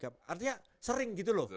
artinya sering gitu loh